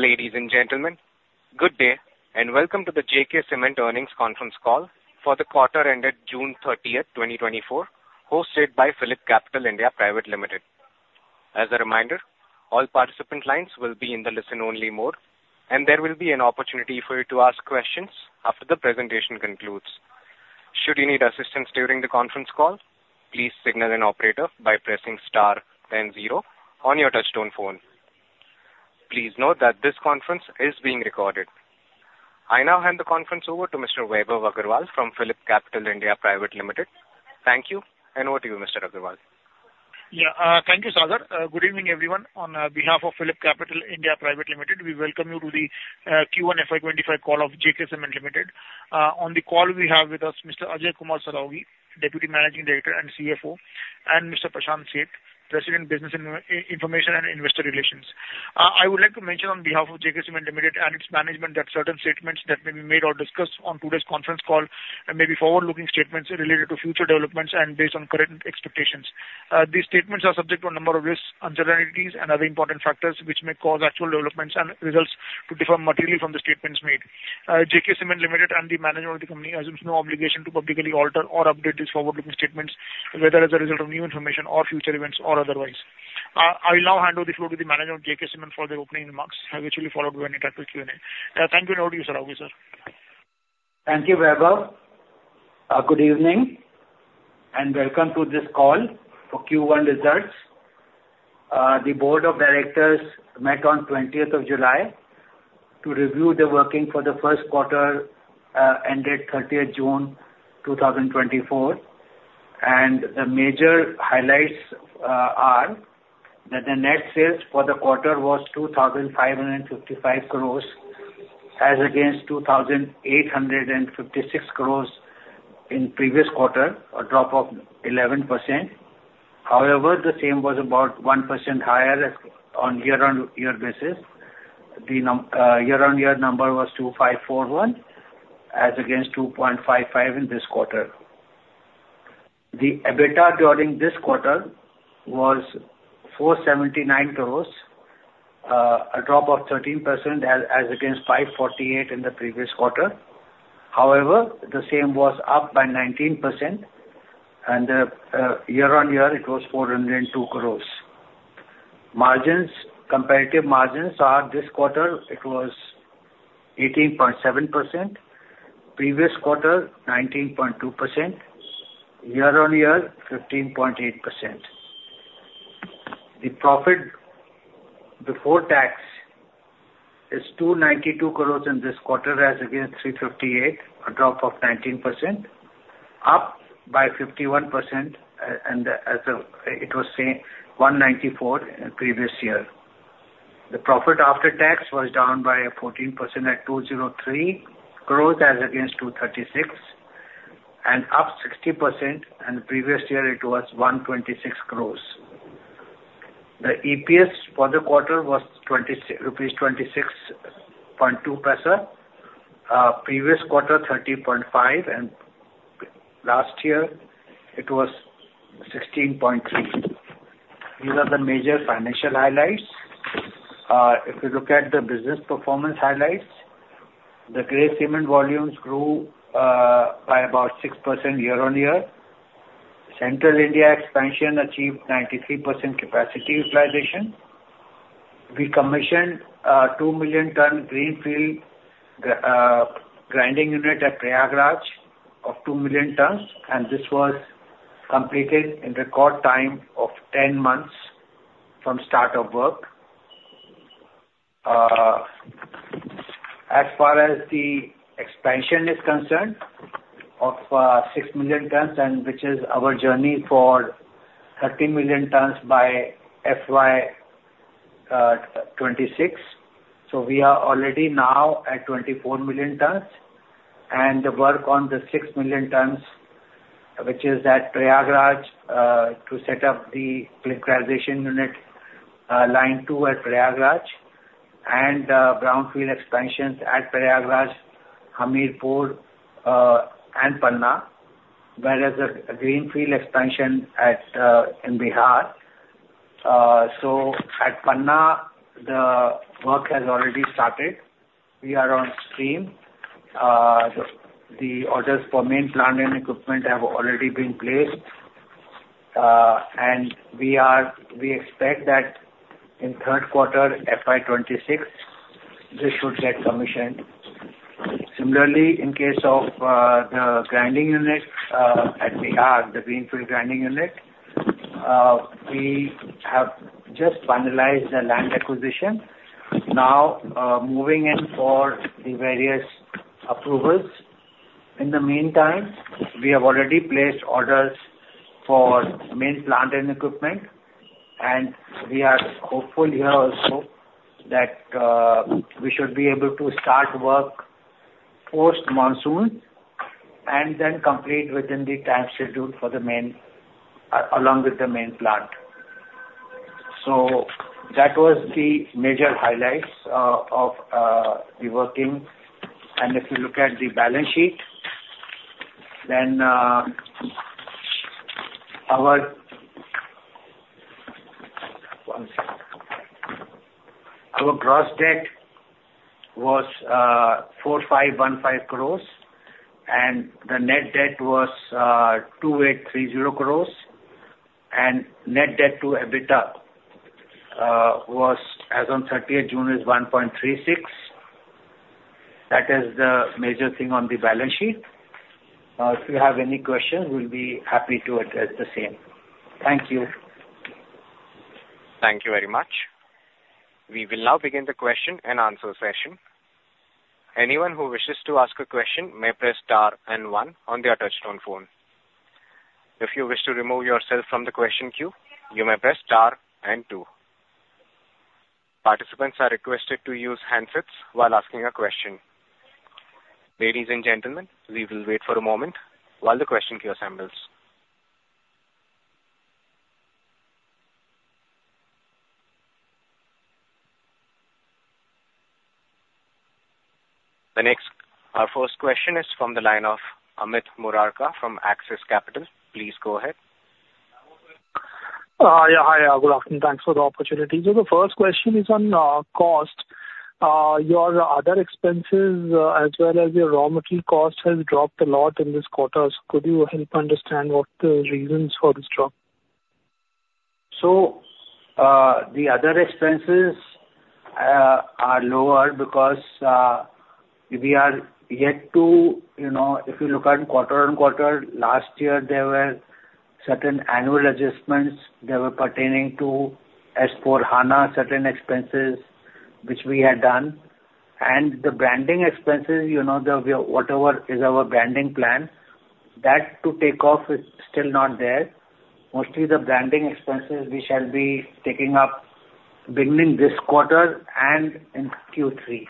Ladies and gentlemen, good day and welcome to the JK Cement earnings conference call for the quarter ended June 30, 2024, hosted by PhillipCapital (India) Private Limited. As a reminder, all participant lines will be in the listen-only mode, and there will be an opportunity for you to ask questions after the presentation concludes. Should you need assistance during the conference call, please signal an operator by pressing star then zero on your touch-tone phone. Please note that this conference is being recorded. I now hand the conference over to Mr. Vaibhav Agarwal from PhillipCapital (India) Private Limited. Thank you, and over to you, Mr. Agarwal. Yeah, thank you, Sagar. Good evening, everyone. On behalf of PhillipCapital (India) Private Limited, we welcome you to the Q1 FY 2025 call of JK Cement Limited. On the call, we have with us Mr. Ajay Kumar Saraogi, Deputy Managing Director and CFO, and Mr. Prashant Seth, President, Business Information and Investor Relations. I would like to mention, on behalf of JK Cement Limited and its management, that certain statements that may be made or discussed on today's conference call may be forward-looking statements related to future developments and based on current expectations. These statements are subject to a number of risks, uncertainties, and other important factors which may cause actual developments and results to differ materially from the statements made. J.K. Cement Limited and the management of the company assumes no obligation to publicly alter or update these forward-looking statements, whether as a result of new information or future events or otherwise. I will now hand over the floor to the manager of JK Cement for the opening remarks, which will be followed by any type of Q&A. Thank you, and over to you, Saraogi, sir. Thank you, Vaibhav. Good evening and welcome to this call for Q1 results. The Board of Directors met on 20th of July to review the working for the first quarter ended 30th June, 2024. The major highlights are that the net sales for the quarter was 2,555 crores as against 2,856 crores in previous quarter, a drop of 11%. However, the same was about 1% higher on year-on-year basis. The year-on-year number was 2,541 crores as against 2,551 crores in this quarter. The EBITDA during this quarter was 479 crores, a drop of 13% as against 548 in the previous quarter. However, the same was up by 19%, and year-on-year it was 402 crores. Margins, comparative margins are this quarter, it was 18.7%. Previous quarter, 19.2%. Year-on-year, 15.8%. The profit before tax is 292 crores in this quarter as against 358, a drop of 19%, up by 51%, and as it was 194 in previous year. The profit after tax was down by 14% at 203 crores as against 236, and up 60%, and previous year it was 126 crores. The EPS for the quarter was 26.2, previous quarter 30.5, and last year it was 16.3. These are the major financial highlights. If you look at the business performance highlights, the grey cement volumes grew by about 6% year-on-year. Central India expansion achieved 93% capacity utilization. We commissioned a 2 million tons greenfield grinding unit at Prayagraj of 2 million tons, and this was completed in record time of 10 months from start of work. As far as the expansion is concerned, of 6 million tons, which is our journey for 13 million tons by FY 2026. So we are already now at 24 million tons, and the work on the 6 million tons, which is at Prayagraj, to set up the clinkerization unit line two at Prayagraj, and brownfield expansions at Prayagraj, Hamirpur, and Panna, whereas a greenfield expansion in Bihar. So at Panna, the work has already started. We are on stream. The orders for main plant and equipment have already been placed, and we expect that in third quarter, FY 2026, this should get commissioned. Similarly, in case of the grinding unit at Bihar, the greenfield grinding unit, we have just finalized the land acquisition, now moving in for the various approvals. In the meantime, we have already placed orders for main plant and equipment, and we are hopeful here also that we should be able to start work post monsoon and then complete within the time schedule along with the main plant. That was the major highlights of the working. If you look at the balance sheet, then our gross debt was 4,515 crores, and the net debt was 2,830 crores, and net debt to EBITDA was as of 30th June is 1.36. That is the major thing on the balance sheet. If you have any questions, we'll be happy to address the same. Thank you. Thank you very much. We will now begin the Q&A session. Anyone who wishes to ask a question may press star and one on their touch-tone phone. If you wish to remove yourself from the question queue, you may press star and two. Participants are requested to use handsets while asking a question. Ladies and gentlemen, we will wait for a moment while the question queue assembles. The next, our first question is from the line of Amit Murarka from Axis Capital. Please go ahead. Yeah, hi. I would like to thank you for the opportunity. The first question is on cost. Your other expenses, as well as your raw material cost, have dropped a lot in this quarter. Could you help understand what the reasons for this drop? So the other expenses are lower because we are yet to. If you look at quarter-on-quarter, last year there were certain annual adjustments that were pertaining to S/4HANA, certain expenses which we had done. And the branding expenses, whatever is our branding plan, that to take off is still not there. Mostly the branding expenses we shall be taking up beginning this quarter and in Q3.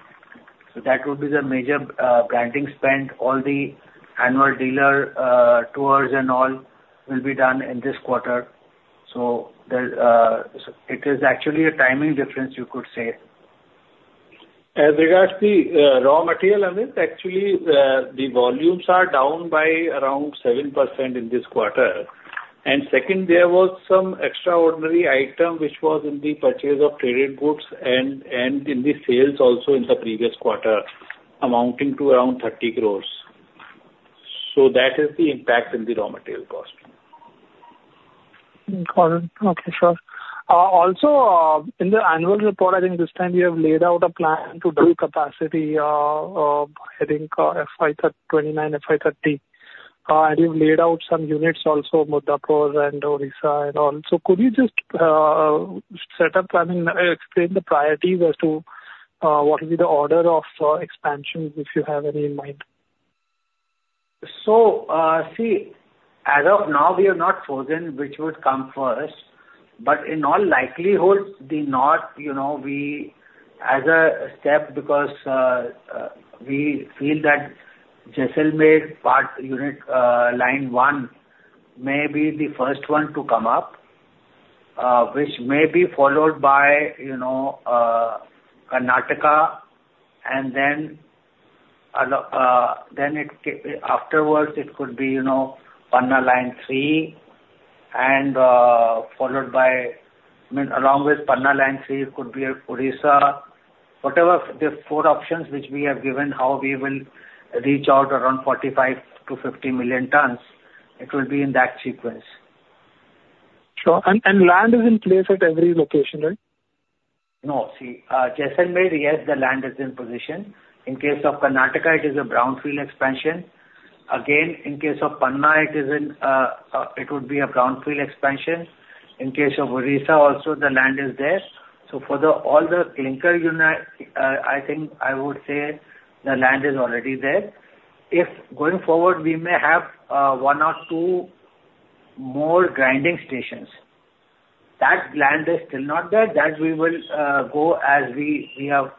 So that will be the major branding spend. All the annual dealer tours and all will be done in this quarter. So it is actually a timing difference, you could say. As regards to raw material, Amit, actually, the volumes are down by around 7% in this quarter. Second, there was some extraordinary item which was in the purchase of traded goods and in the sales also in the previous quarter, amounting to around 30 crores. That is the impact in the raw material cost. Got it. Okay, sure. Also, in the annual report, I think this time you have laid out a plan to double capacity, I think FY 2029, FY 2030. And you've laid out some units also, Muddapur and Odisha and all. So could you just set up, I mean, explain the priorities as to what will be the order of expansion, if you have any in mind? So see, as of now, we have not chosen which would come first. But in all likelihood, the North as a step because we feel that Jaisalmer unit line one may be the first one to come up, which may be followed by Karnataka. And then afterwards, it could be Panna line three and followed by, I mean, along with Panna line three, it could be Odisha. Whatever the four options which we have given how we will reach around 45-50 million tons, it will be in that sequence. Sure. Land is in place at every location, right? No. See, Jaisalmer, yes, the land is in position. In case of Karnataka, it is a brownfield expansion. Again, in case of Panna, it would be a brownfield expansion. In case of Odisha, also the land is there. So for all the clinker units, I think I would say the land is already there. If going forward, we may have one or two more grinding stations. That land is still not there. That we will go as we are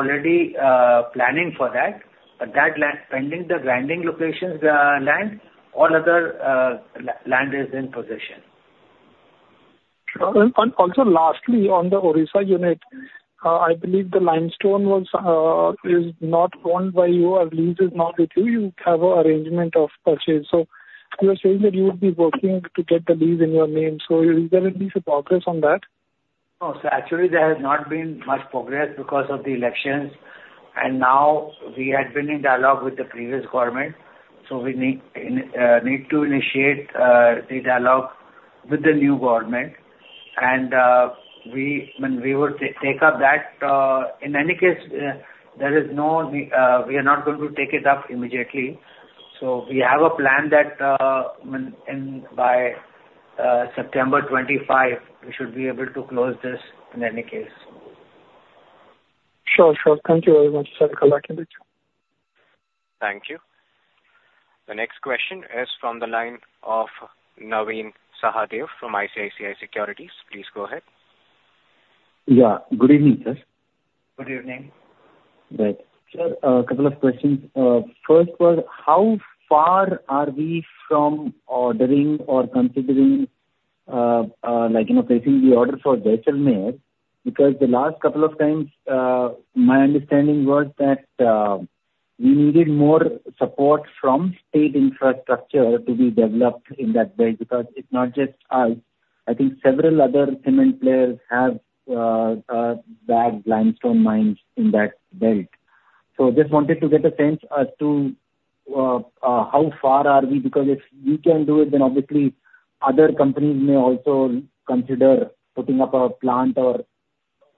already planning for that. But that land, pending the grinding locations, all other land is in position. Sure. And also lastly, on the Odisha unit, I believe the limestone is not owned by you or lease is not with you. You have an arrangement of purchase. So you were saying that you would be working to get the lease in your name. So is there at least a progress on that? No. So actually, there has not been much progress because of the elections. Now we had been in dialogue with the previous government. So we need to initiate the dialogue with the new government. When we would take up that, in any case, there is no, we are not going to take it up immediately. So we have a plan that by September 25, we should be able to close this in any case. Sure, sure. Thank you very much, JK Cement. Thank you. The next question is from the line of Navin Sahadeo from ICICI Securities. Please go ahead. Yeah. Good evening, sir. Good evening. Good. Sir, a couple of questions. First one, how far are we from ordering or considering placing the order for Jaisalmer? Because the last couple of times, my understanding was that we needed more support from state infrastructure to be developed in that belt because it's not just us. I think several other cement players have bad limestone mines in that belt. So just wanted to get a sense as to how far are we because if we can do it, then obviously other companies may also consider putting up a plant or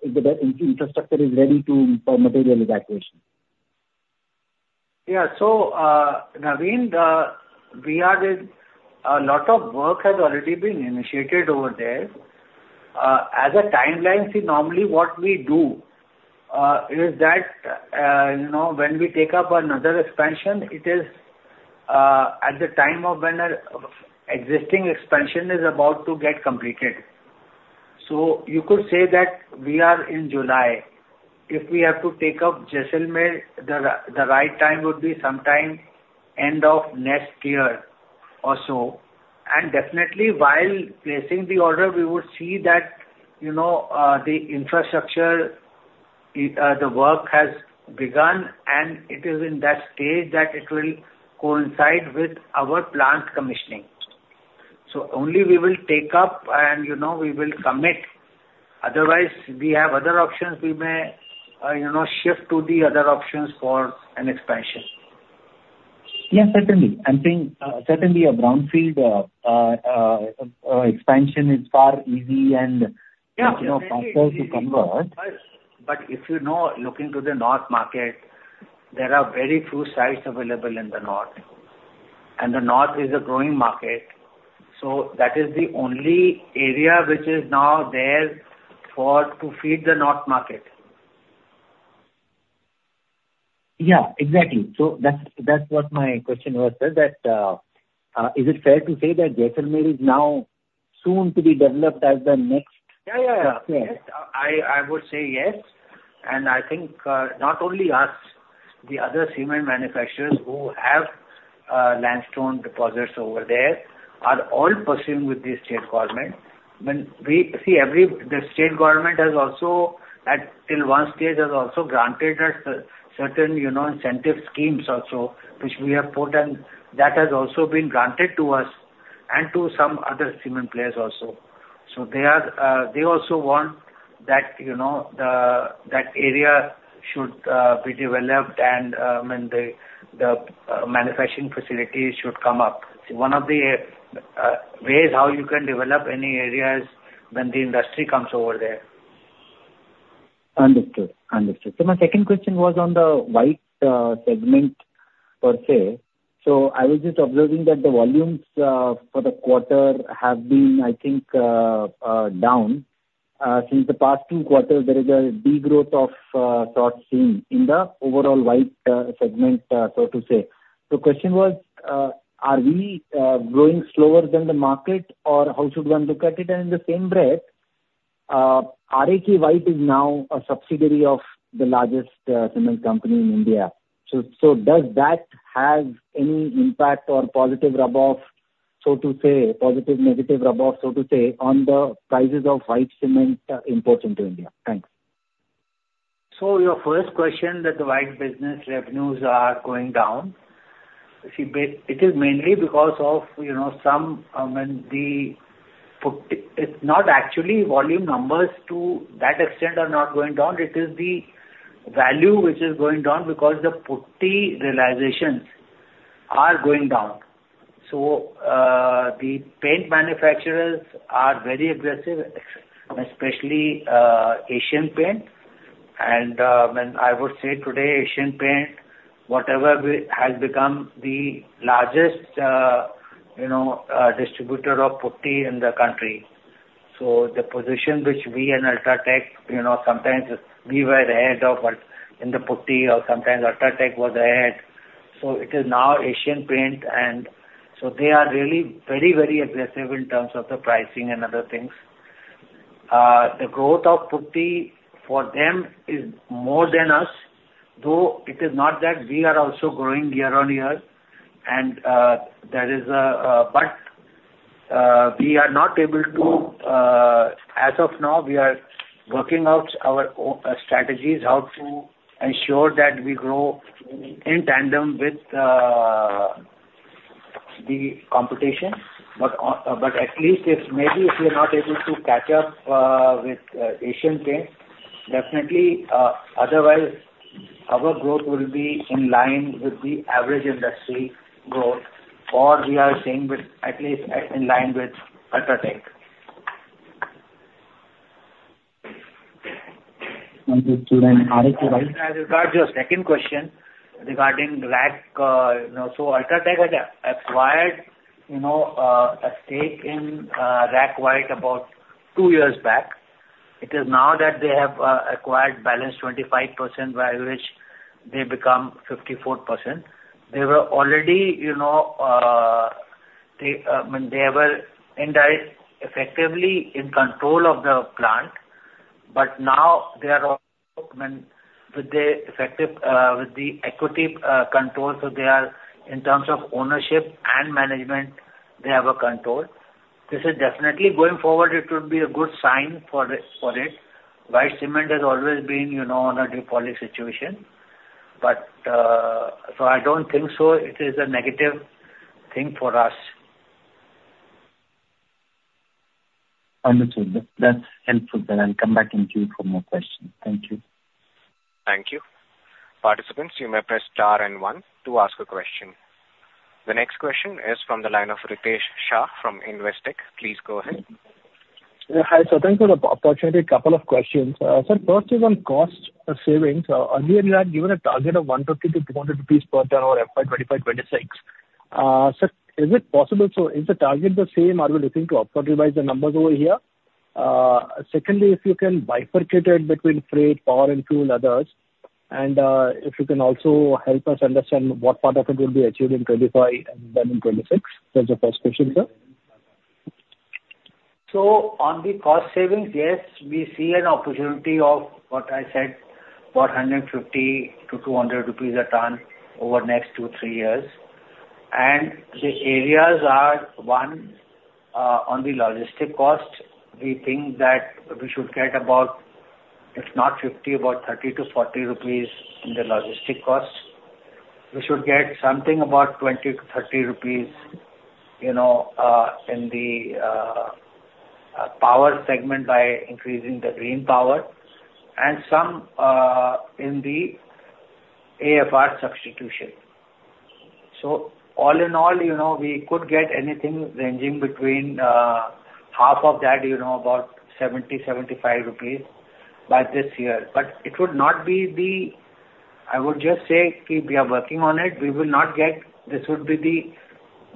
if the infrastructure is ready for material evacuation. Yeah. So, Navin, we are a lot of work has already been initiated over there. As a timeline, see, normally what we do is that when we take up another expansion, it is at the time of when an existing expansion is about to get completed. So you could say that we are in July. If we have to take up Jaisalmer, the right time would be sometime end of next year or so. And definitely, while placing the order, we would see that the infrastructure, the work has begun, and it is in that stage that it will coincide with our plant commissioning. So only we will take up and we will commit. Otherwise, we have other options. We may shift to the other options for an expansion. Yeah, certainly. I'm saying certainly a brownfield expansion is far easier and faster to convert. But if you know, looking to the North market, there are very few sites available in the North. And the North is a growing market. So that is the only area which is now there to feed the North market. Yeah, exactly. So that's what my question was, sir, that is it fair to say that Jaisalmer is now soon to be developed as the next? Yeah, yeah, yeah. I would say yes. I think not only us, the other cement manufacturers who have limestone deposits over there are all pursuing with the state government. See, the state government has also, at one stage, has also granted us certain incentive schemes also, which we have put, and that has also been granted to us and to some other cement players also. So they also want that area should be developed and the manufacturing facilities should come up. One of the ways how you can develop any area is when the industry comes over there. Understood. Understood. So my second question was on the white segment per se. So I was just observing that the volumes for the quarter have been, I think, down. Since the past two quarters, there is a degrowth of sorts seen in the overall white segment, so to say. The question was, are we growing slower than the market, or how should one look at it? And in the same breath, RAK White is now a subsidiary of the largest cement company in India. So does that have any impact or positive rub-off, so to say, positive, negative rub-off, so to say, on the prices of white cement imports into India? Thanks. So your first question, that the white business revenues are going down, it is mainly because it's not actually volume numbers to that extent are not going down. It is the value which is going down because the putty realizations are going down. So the paint manufacturers are very aggressive, especially Asian Paints. And I would say today, Asian Paints, whatever has become the largest distributor of putty in the country. So the position which we and UltraTech, sometimes we were ahead of in the putty or sometimes UltraTech was ahead. So it is now Asian Paints. And so they are really very, very aggressive in terms of the pricing and other things. The growth of putty for them is more than us, though it is not that we are also growing year-on-year. But we are not able to, as of now. We are working out our strategies how to ensure that we grow in tandem with the competition. But at least if maybe if we are not able to catch up with Asian Paints, definitely. Otherwise, our growth will be in line with the average industry growth, or we are staying at least in line with UltraTech. Understood. And RAK White. As regards to your second question regarding RAK, so UltraTech had acquired a stake in RAK White about two years back. It is now that they have acquired balance 25% by which they become 54%. They were already, I mean, they were effectively in control of the plant. But now they are also with the effective equity control. So they are in terms of ownership and management, they have a control. This is definitely going forward. It would be a good sign for it. White cement has always been in a duopoly situation. But so I don't think so it is a negative thing for us. Understood. That's helpful. Then I'll come back and queue for more questions. Thank you. Thank you. Participants, you may press star and one to ask a question. The next question is from the line of Ritesh Shah from Investec. Please go ahead. Hi. Thanks for the opportunity. A couple of questions. First is on cost savings. Earlier, you had given a target of 150-200 rupees per ton or MT 25-26. Is it possible? Is the target the same? Are we looking to upward revised the numbers over here? Secondly, if you can bifurcate it between freight, power, and fuel others. And if you can also help us understand what part of it will be achieved in 2025 and then in 2026. That's the first question, sir. So on the cost savings, yes, we see an opportunity of what I said, 150-200 rupees a ton over next 2-3 years. And the areas are one, on the logistic cost, we think that we should get about, if not 50, about 30-40 rupees in the logistic cost. We should get something about 20-30 rupees in the power segment by increasing the green power and some in the AFR substitution. So all in all, we could get anything ranging between half of that, about 70-75 rupees by this year. But it would not be the. I would just say, keep, we are working on it. We will not get this would be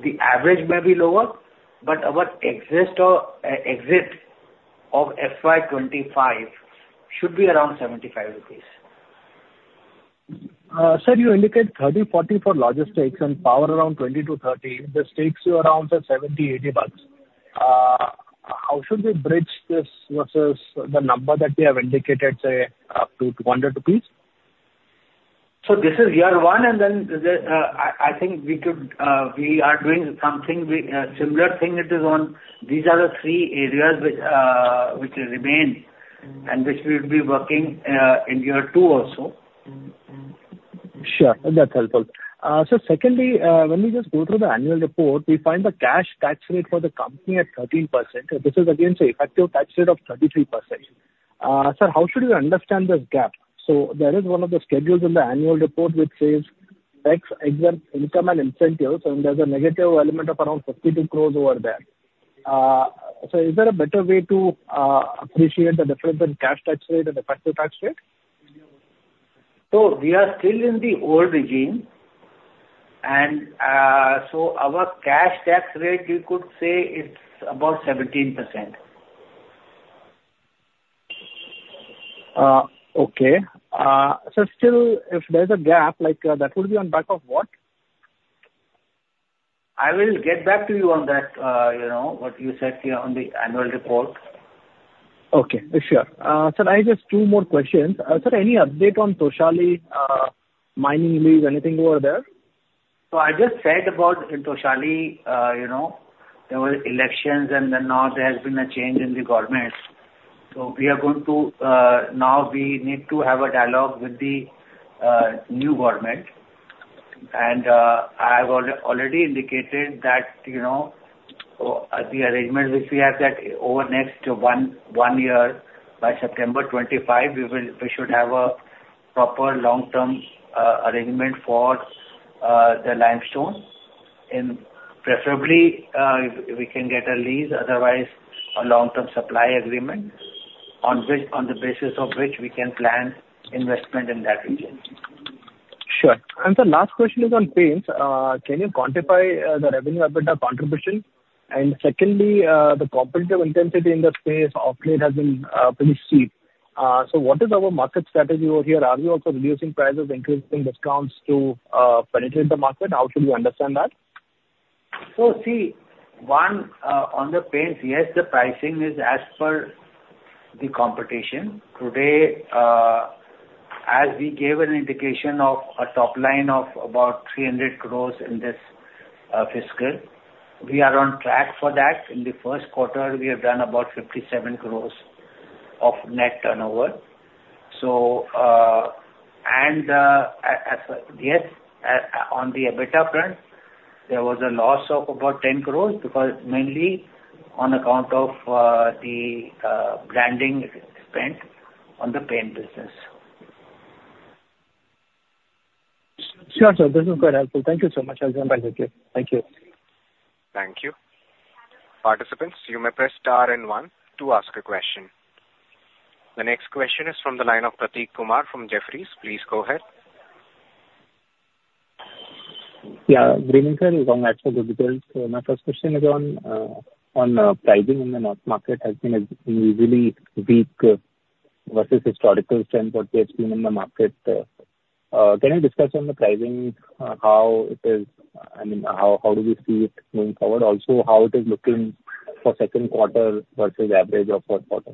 the average may be lower, but our exit of FY 2025 should be around 75 rupees. Sir, you indicate 30-40 for logistics and power around 20-30. This takes you around INR 70-INR 80. How should we bridge this versus the number that we have indicated, say, up to 200 rupees? So this is year one. And then I think we are doing something similar thing. It is on these. These are the three areas which remain and which we will be working in year two also. Sure. That's helpful. So secondly, when we just go through the annual report, we find the cash tax rate for the company at 13%. This is against an effective tax rate of 33%. Sir, how should we understand this gap? So there is one of the schedules in the annual report which says exempt income and incentives, and there's a negative element of around 52 crores over there. So is there a better way to appreciate the difference in cash tax rate and effective tax rate? We are still in the old regime. Our cash tax rate, you could say it's about 17%. Okay. So still, if there's a gap, that would be on back of what? I will get back to you on that, what you said here on the annual report. Okay. Sure. Sir, I just 2 more questions. Sir, any update on Toshali mining lease, anything over there? So I just said about in Toshali, there were elections, and then now there has been a change in the government. So we are going to now we need to have a dialogue with the new government. And I have already indicated that the arrangement which we have that over next one year, by September 25, we should have a proper long-term arrangement for the limestone. And preferably, we can get a lease, otherwise a long-term supply agreement on the basis of which we can plan investment in that region. Sure. The last question is on paints. Can you quantify the revenue contribution? And secondly, the competitive intensity in the space of late has been pretty steep. What is our market strategy over here? Are we also reducing prices, increasing discounts to penetrate the market? How should we understand that? See, one, on the paints, yes, the pricing is as per the competition. Today, as we gave an indication of a top line of about 300 crores in this fiscal, we are on track for that. In the first quarter, we have done about 57 crores of net turnover. And yes, on the EBITDA front, there was a loss of about 10 crores because mainly on account of the branding spend on the paint business. Sure, sir. This is quite helpful. Thank you so much. I'll jump back to you. Thank you. Thank you. Participants, you may press star and one to ask a question. The next question is from the line of Prateek Kumar from Jefferies. Please go ahead. Yeah. Great, sir. As long as for the details. So my first question is on pricing in the north market has been a really weak versus historical trend what we have seen in the market. Can you discuss on the pricing how it is, I mean, how do we see it going forward? Also how it is looking for second quarter versus average of fourth quarter?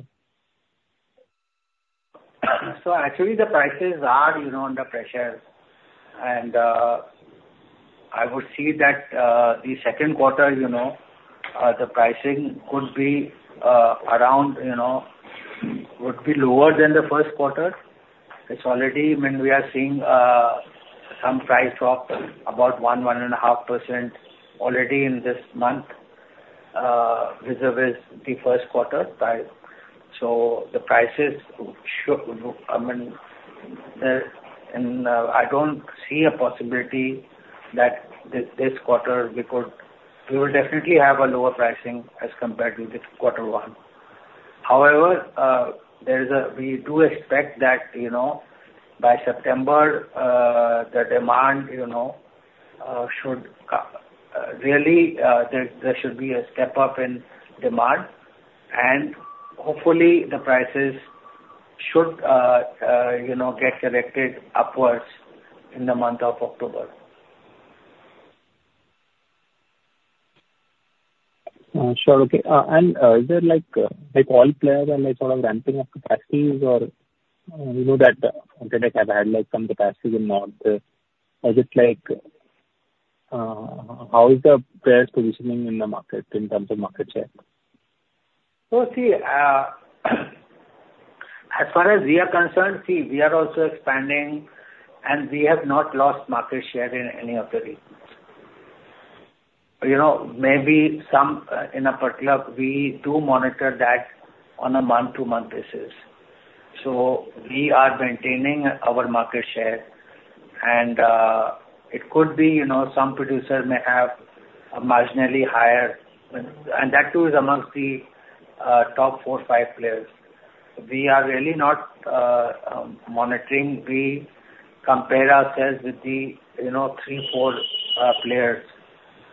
So actually, the prices are under pressure. And I would see that the second quarter, the pricing could be around would be lower than the first quarter. It's already, I mean, we are seeing some price drop about 1-1.5% already in this month vis-à-vis the first quarter price. So the prices, I mean, I don't see a possibility that this quarter we could we will definitely have a lower pricing as compared to the quarter one. However, we do expect that by September, the demand should really there should be a step up in demand. And hopefully, the prices should get corrected upwards in the month of October. Sure. Okay. And is there like all players are sort of ramping up capacities or we know that UltraTech have had some capacity in north? Is it like how is the players positioning in the market in terms of market share? Well, see, as far as we are concerned, see, we are also expanding and we have not lost market share in any of the regions. Maybe some in a particular we do monitor that on a month-to-month basis. So we are maintaining our market share. And it could be some producer may have a marginally higher and that too is amongst the top four, five players. We are really not monitoring. We compare ourselves with the three, four players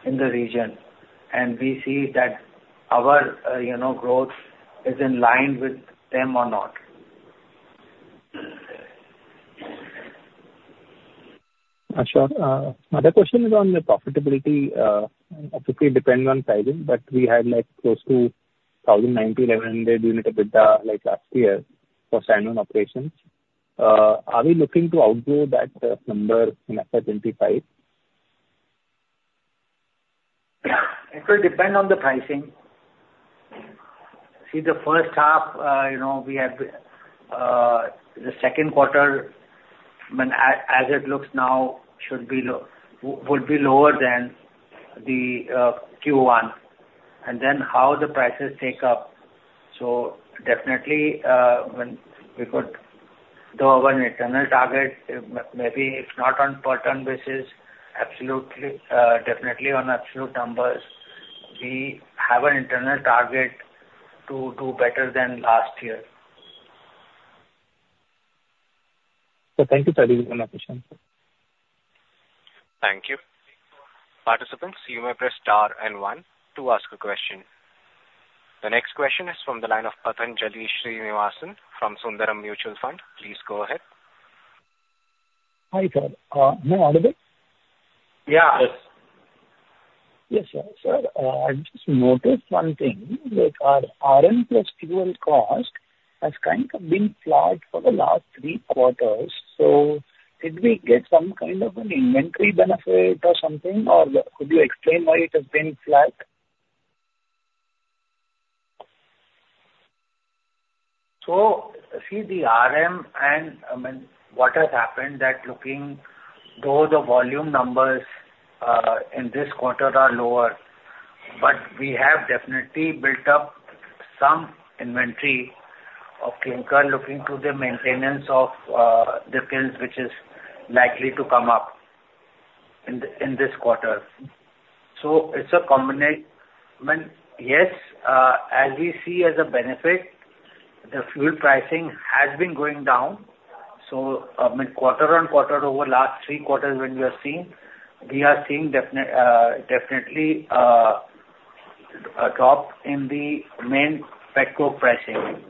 in the region. And we see that our growth is in line with them or not. Sure. Another question is on the profitability. Obviously, depending on pricing, but we had like close to 1,090-1,100 unit EBITDA last year for standalone operations. Are we looking to outgrow that number in FY 2025? It could depend on the pricing. See, the first half, we have the second quarter, as it looks now, should be lower than the Q1. And then how the prices take up. So definitely, when we could though our internal target, maybe if not on per ton basis, absolutely definitely on absolute numbers, we have an internal target to do better than last year. Thank you, sir, this is my question. Thank you. Participants, you may press star and one to ask a question. The next question is from the line of Pathanjali Srinivasan from Sundaram Mutual Fund. Please go ahead. Hi, sir. May I add a bit? Yeah. Yes. Yes, sir. Sir, I just noticed one thing. RM plus fuel cost has kind of been flat for the last three quarters. So did we get some kind of an inventory benefit or something? Or could you explain why it has been flat? So see, the RM and I mean, what has happened that looking through the volume numbers in this quarter are lower. But we have definitely built up some inventory of clinker looking to the maintenance of the mills which is likely to come up in this quarter. So it's a combination. I mean, yes, as we see as a benefit, the fuel pricing has been going down. So quarter on quarter over last three quarters when we are seeing, we are seeing definitely a drop in the main petcoke pricing.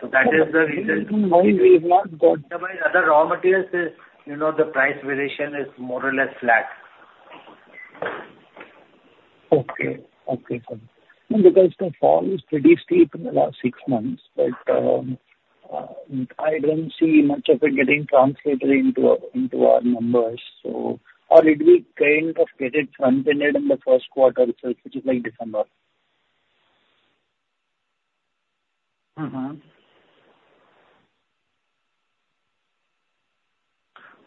So that is the reason. We have not got. Other raw materials, the price variation is more or less flat. Okay. Okay, sir. And the price to fall is pretty steep in the last six months. But I don't see much of it getting translated into our numbers. So or it will kind of get it front-ended in the first quarter, which is like December.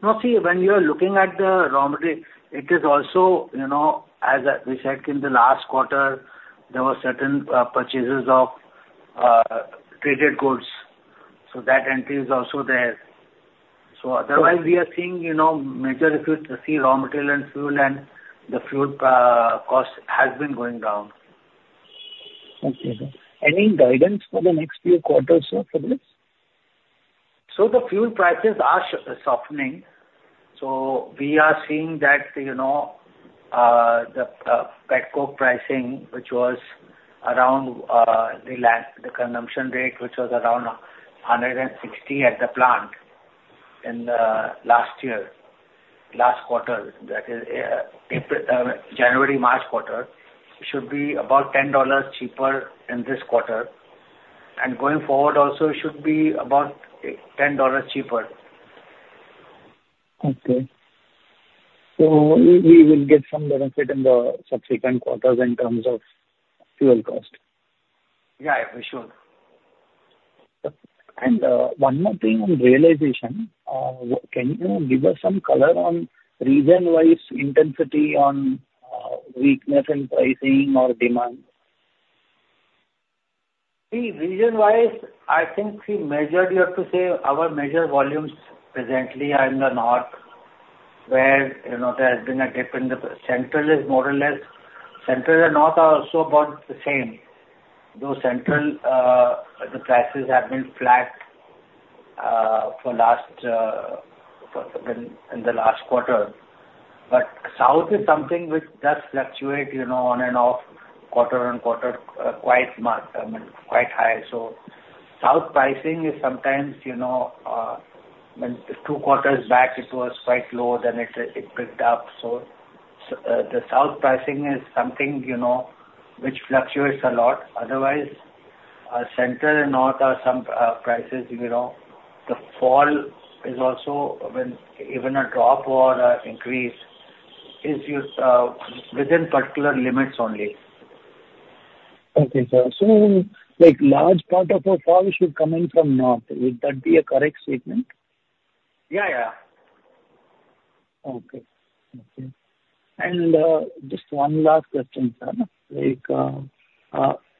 Well, see, when you are looking at the raw material, it is also as we said in the last quarter, there were certain purchases of traded goods. That entry is also there. Otherwise, we are seeing major if you see raw material and fuel and the fuel cost has been going down. Okay. Any guidance for the next few quarters for this? So the fuel prices are softening. We are seeing that the petcoke pricing, which was around the consumption rate, which was around 160 at the plant in the last year, last quarter, that is January, March quarter, should be about $10 cheaper in this quarter. Going forward, also it should be about $10 cheaper. Okay. We will get some benefit in the subsequent quarters in terms of fuel cost. Yeah, we should. One more thing on realization. Can you give us some color on region-wise intensity on weakness in pricing or demand? See, region-wise, I think we measured you have to say our measure volumes presently are in the north where there has been a dip in the central is more or less central and north are also about the same. Though central, the prices have been flat for last in the last quarter. But south is something which does fluctuate on and off quarter on quarter quite high. So south pricing is sometimes two quarters back, it was quite low, then it picked up. So the south pricing is something which fluctuates a lot. Otherwise, central and north are some prices. The fall is also when even a drop or an increase is within particular limits only. Okay, sir. So large part of the fall should come in from north. Would that be a correct statement? Yeah, yeah. Okay. Okay. Just one last question, sir.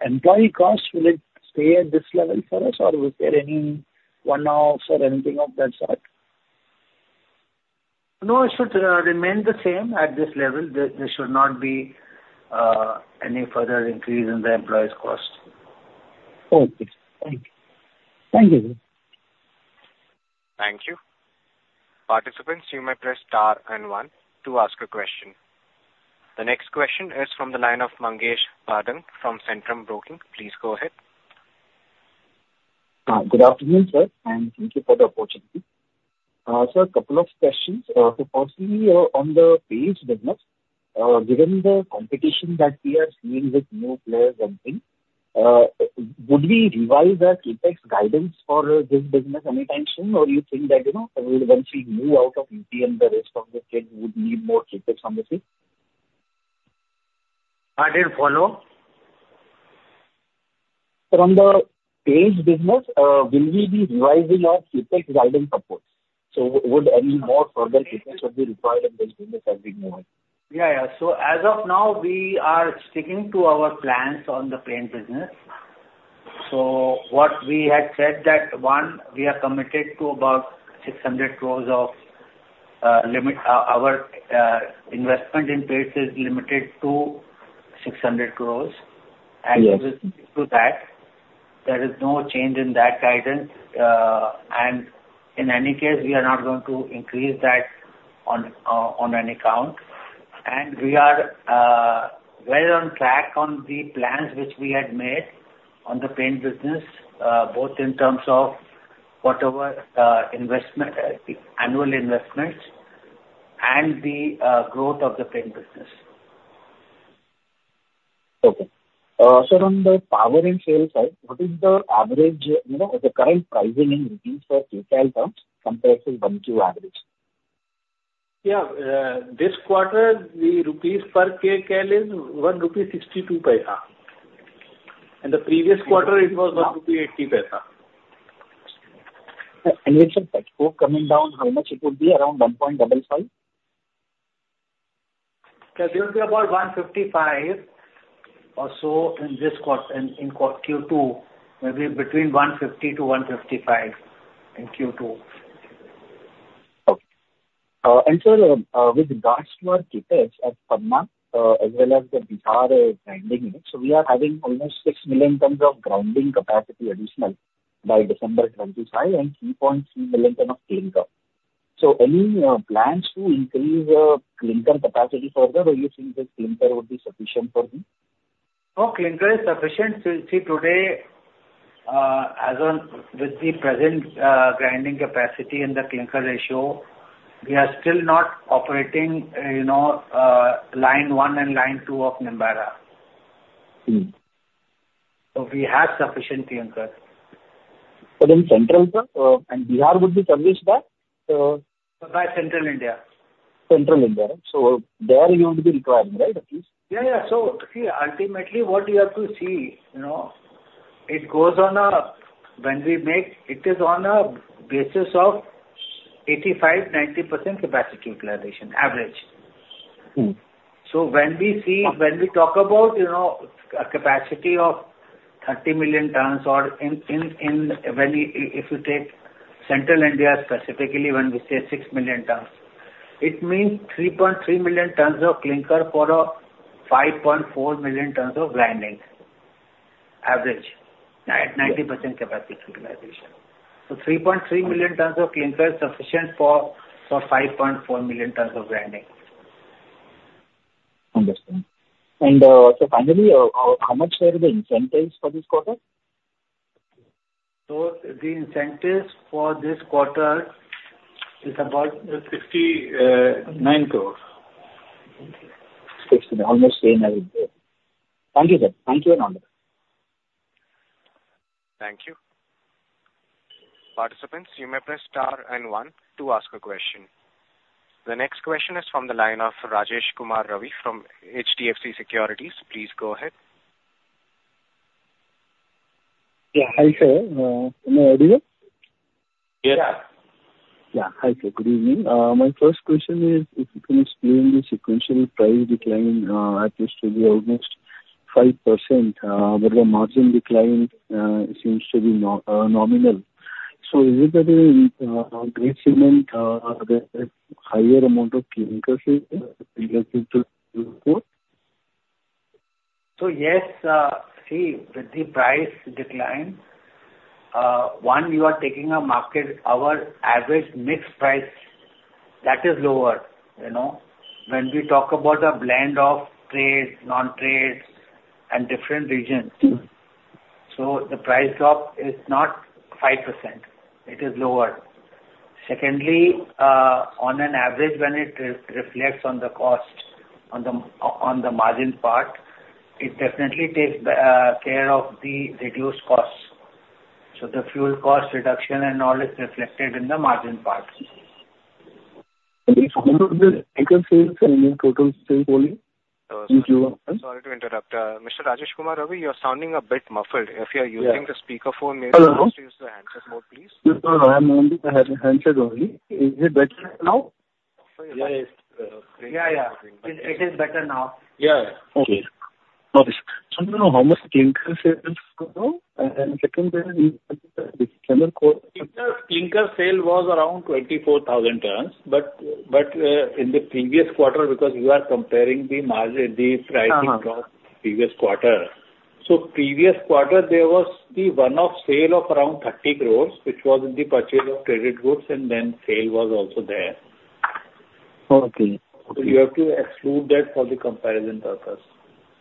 Employee cost, will it stay at this level for us or was there any one-offs or anything of that sort? No, it should remain the same at this level. There should not be any further increase in the employees' cost. Okay. Thank you. Thank you. Thank you. Participants, you may press star and one to ask a question. The next question is from the line of Mangesh Bhadang from Centrum Broking. Please go ahead. Good afternoon, sir. Thank you for the opportunity. Sir, a couple of questions. Personally, on the paints business, given the competition that we are seeing with new players and things, would we revise our CAPEX guidance for this business anytime soon? Or you think that once we move out of UP and the rest of the CAPEX, we would need more CAPEX on the scene? I didn't follow. From the paints business, will we be revising our CAPEX guidance support? So would any more further CAPEX be required in this business as we move on? Yeah, yeah. So as of now, we are sticking to our plans on the paints business. So what we had said that one, we are committed to about 600 crores of our investment in paints is limited to 600 crores. And with that, there is no change in that guidance. And in any case, we are not going to increase that on any count. And we are well on track on the plans which we had made on the paints business, both in terms of whatever annual investments and the growth of the paints business. Okay. So on the power and sales side, what is the average of the current pricing in rupees per Kcal terms compared to one Q average? Yeah. This quarter, the rupees per Kcal is 1.62 rupees. The previous quarter, it was 1.80 rupees. With the petcoke coming down, how much it would be around 1.55? Yeah, it will be about 155 or so in this quarter. In Q2, maybe between 150 to 155 in Q2. Okay. And sir, with the large-scale CAPEX at Panna, as well as the Bihar grinding unit, we are having almost 6 million tons of grinding capacity additional by December 2025 and 3.3 million tons of clinker. So any plans to increase clinker capacity further or you think this clinker would be sufficient for you? Oh, clinker is sufficient. See, today, with the present grinding capacity and the clinker ratio, we are still not operating line 1 and line 2 of Nimbahera. So we have sufficient clinker. In Central, sir, and Bihar would be serviced by? By Central India. Central India, right? So there you would be requiring, right, at least? Yeah, yeah. So see, ultimately, what you have to see, it goes on a when we make it is on a basis of 85%-90% capacity utilization average. So when we see when we talk about a capacity of 30 million tons or if you take Central India specifically, when we say 6 million tons, it means 3.3 million tons of clinker for a 5.4 million tons of grinding average at 90% capacity utilization. So 3.3 million tons of clinker is sufficient for 5.4 million tons of grinding. Understood. And so finally, how much were the incentives for this quarter? The incentives for this quarter is about 69 crores. 69, almost same as before. Thank you, sir. Thank you and all. Thank you. Participants, you may press star and one to ask a question. The next question is from the line of Rajesh Kumar Ravi from HDFC Securities. Please go ahead. Yeah, hi, sir. Can you hear me? Yes. Yeah. Yeah, hi, sir. Good evening. My first question is, if you can explain the sequential price decline at least to be almost 5%, but the margin decline seems to be nominal. So is it that in grey segment, there is a higher amount of clinkers related to exports? So yes. See, with the price decline, one, you are taking a market or average mixed price that is lower. When we talk about a blend of trades, non-trades, and different regions, so the price drop is not 5%. It is lower. Secondly, on an average, when it reflects on the cost, on the margin part, it definitely takes care of the reduced costs. So the fuel cost reduction and all is reflected in the margin part. If you consider the clinker sales and the total sales volume in Q1. Sorry to interrupt. Mr. Rajesh Kumar Ravi, you are sounding a bit muffled. If you are using the speakerphone, maybe you have to use the handset mode, please. I'm on the handset only. Is it better now? Yeah, yeah. It is better now. Yeah, yeah. Okay. Okay. So do you know how much clinker sales go down? And secondly, the clinker. Sir, clinker sale was around 24,000 tons. But in the previous quarter, because you are comparing the pricing drop previous quarter, so previous quarter, there was the one-off sale of around 30 crores, which was in the purchase of traded goods, and then sale was also there. Okay. You have to exclude that for the comparison purpose from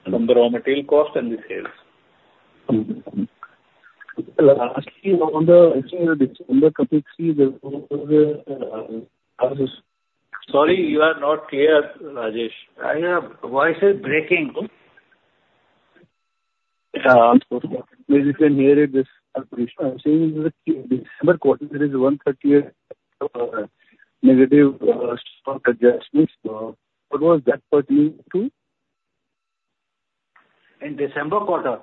the raw material cost and the sales. Lastly, on the December topics, see, there was a. Sorry, you are not clear, Rajesh. Yeah. Voice is breaking. Basically, near this quarter, there is 138 negative stock adjustments. What was that pertaining to? In December quarter?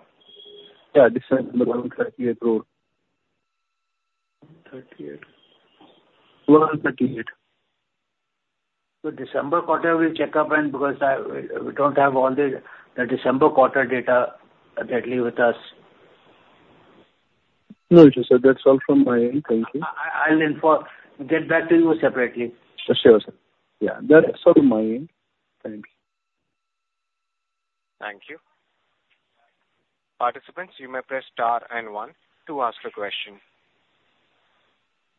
Yeah, December 138. 138. 138. December quarter, we'll check up on because we don't have all the December quarter data readily with us. No, sir. That's all from my end. Thank you. I'll get back to you separately. Sure, sir. Yeah. That's all on my end. Thank you. Thank you. Participants, you may press star and one to ask a question.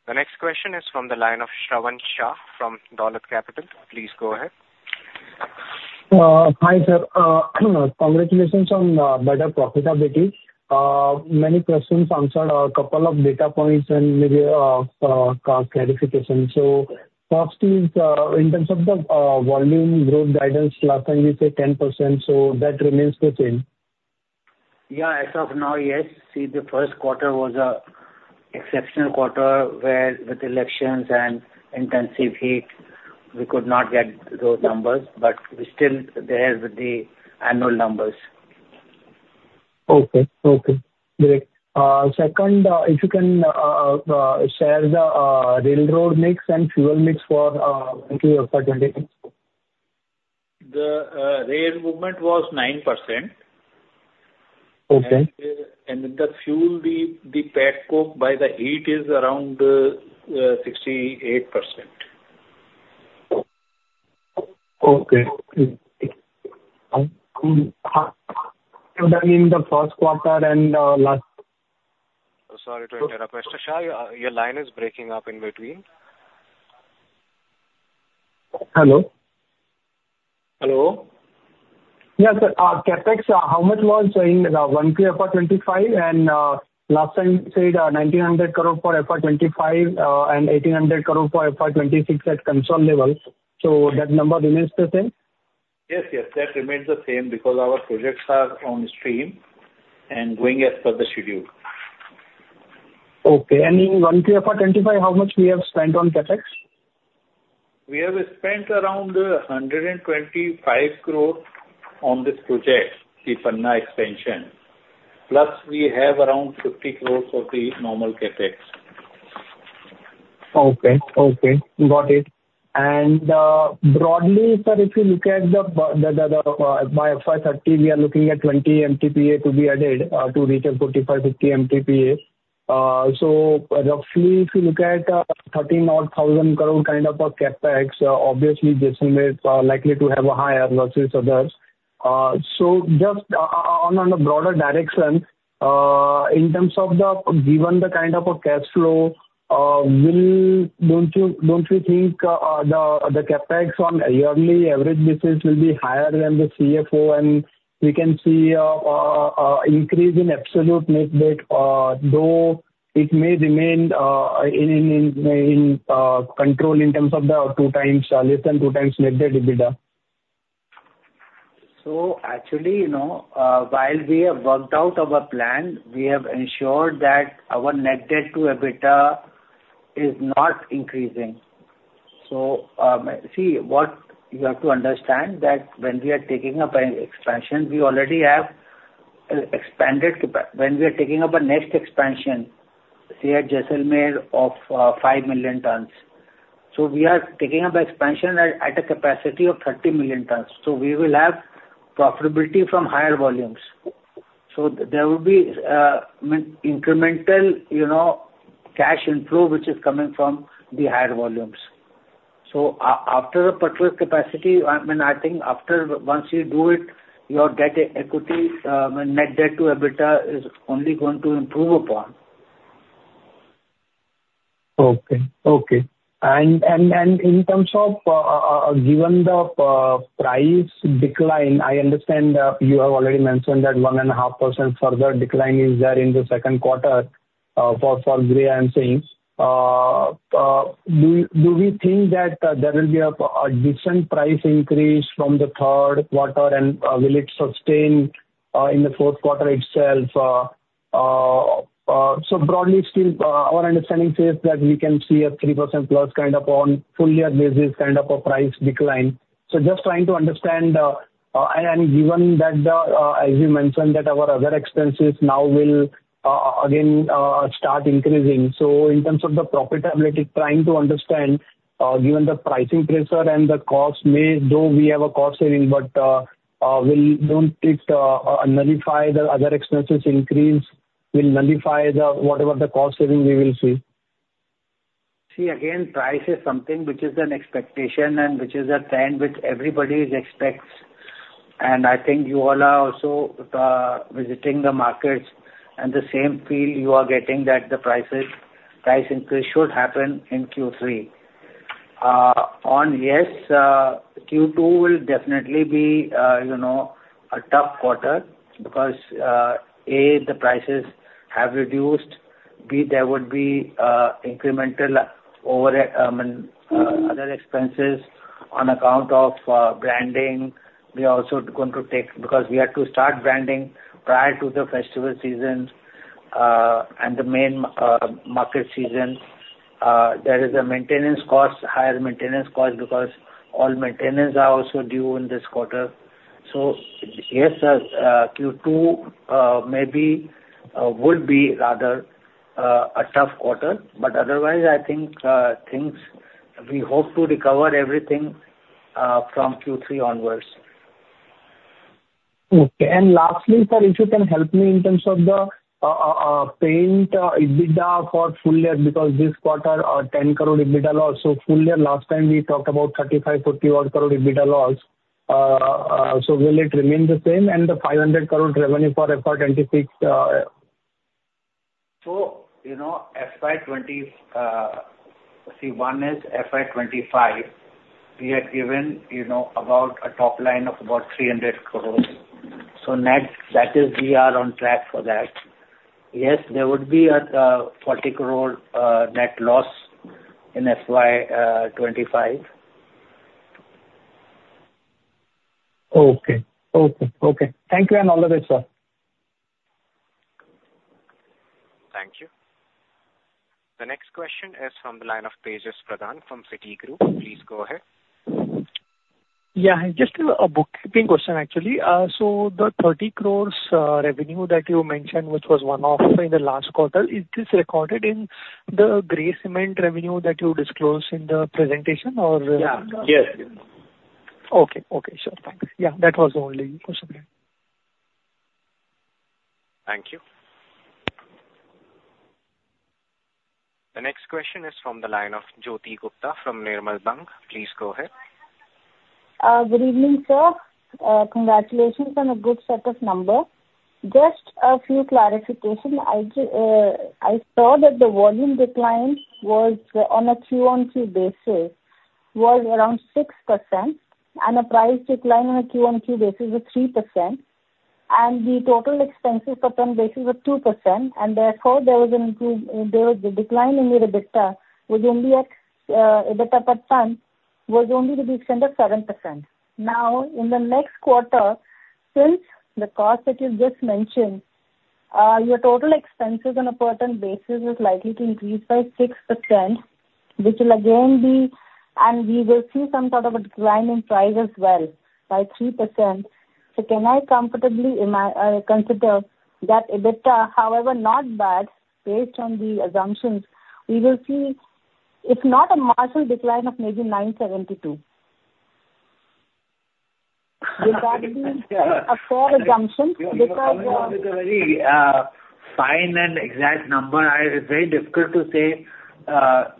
The next question is from the line of Shravan Shah from Dolat Capital. Please go ahead. Hi, sir. Congratulations on better profitability. Many questions answered, a couple of data points, and maybe a clarification. So first is, in terms of the volume growth guidance, last time we said 10%. So that remains the same? Yeah. As of now, yes. See, the first quarter was an exceptional quarter with elections and intensive heat. We could not get those numbers, but we're still there with the annual numbers. Okay. Okay. Great. Second, if you can share the rail-road mix and fuel mix for 2026? The rail movement was 9%. With the fuel, the petcoke by the heat is around 68%. Okay. So that means the first quarter and last. Sorry to interrupt, Mr. Shah, your line is breaking up in between. Hello? Hello? Yeah, sir. CAPEX, how much was in 1Q FY 2025? And last time you said 1,900 crores for FY 2025 and 1,800 crores for FY 2026 at consolidated level. So that number remains the same? Yes, yes. That remains the same because our projects are on stream and going as per the schedule. Okay. In 1Q FY 2025, how much we have spent on CAPEX? We have spent around 125 crores on this project, the Panna extension. Plus, we have around 50 crores for the normal CAPEX. Okay. Okay. Got it. Broadly, sir, if you look at the by FY 2030, we are looking at 20 MTPA to be added to reach a 45-50 MTPA. So roughly, if you look at 13,000 crores kind of a CAPEX, obviously, J.K. is likely to have a higher versus others. So just on a broader direction, in terms of the given the kind of a cash flow, don't you think the CAPEX on yearly average basis will be higher than the CFO and we can see an increase in absolute net debt, though it may remain in control in terms of the less than 2x net debt EBITDA? So actually, while we have worked out our plan, we have ensured that our net debt to EBITDA is not increasing. So see, what you have to understand is that when we are taking up an expansion, we already have expanded. When we are taking up a next expansion, say at Jaisalmer, we have 5 million tons. So we are taking up expansion at a capacity of 30 million tons. So we will have profitability from higher volumes. So there will be incremental cash inflow, which is coming from the higher volumes. So after the particular capacity, I mean, I think after once you do it, your net debt to EBITDA is only going to improve upon. Okay. Okay. In terms of given the price decline, I understand you have already mentioned that 1.5% further decline is there in the second quarter for gray and same. Do we think that there will be a decent price increase from the third quarter, and will it sustain in the fourth quarter itself? So broadly, still, our understanding says that we can see a 3%+ kind of on full year basis kind of a price decline. So just trying to understand, and given that, as you mentioned, that our other expenses now will again start increasing. So in terms of the profitability, trying to understand, given the pricing pressure and the cost, though we have a cost saving, but will don't it nullify the other expenses increase? Will nullify whatever the cost saving we will see? See, again, price is something which is an expectation and which is a trend which everybody expects. And I think you all are also visiting the markets, and the same feel you are getting that the price increase should happen in Q3. On yes, Q2 will definitely be a tough quarter because, A, the prices have reduced. B, there would be incremental other expenses on account of branding. We are also going to take because we have to start branding prior to the festival season and the main market season. There is a maintenance cost, higher maintenance cost because all maintenance are also due in this quarter. So yes, Q2 maybe would be rather a tough quarter. But otherwise, I think we hope to recover everything from Q3 onwards. Okay. Lastly, sir, if you can help me in terms of the paint EBITDA for full year because this quarter 10 crores EBITDA loss. Full year, last time we talked about 35-40 crores EBITDA loss. Will it remain the same and the 500 crores revenue for FY 2026? So FY 2020, see, one is FY 2025. We had given about a top line of about 300 crores. So that is we are on track for that. Yes, there would be a 40 crores net loss in FY 2025. Okay. Okay. Okay. Thank you and all the best, sir. Thank you. The next question is from the line of Piyush Pradhan from Citigroup. Please go ahead. Yeah. Just a bookkeeping question, actually. So the 30 crores revenue that you mentioned, which was one-off in the last quarter, is this recorded in the grey cement revenue that you disclosed in the presentation or? Yeah. Yes. Okay. Okay. Sure. Thanks. Yeah. That was the only question. Thank you. The next question is from the line of Jyoti Gupta from Nirmal Bang. Please go ahead. Good evening, sir. Congratulations on a good set of numbers. Just a few clarifications. I saw that the volume decline was on a QoQ basis around 6%, and the price decline on a QoQ basis was 3%. And the total expenses per ton basis was 2%. And therefore, there was an improvement. The decline in the EBITDA was only at EBITDA per ton was only to the extent of 7%. Now, in the next quarter, since the cost that you just mentioned, your total expenses on a per ton basis is likely to increase by 6%, which will again be, and we will see some sort of a decline in price as well by 3%. So can I comfortably consider that EBITDA, however not bad based on the assumptions, we will see if not a marginal decline of maybe 972? Would that be a fair assumption? It's a very fine and exact number. It's very difficult to say